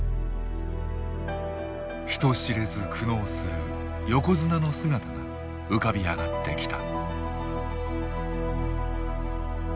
人知れず苦悩する横綱の姿が浮かび上がってきた。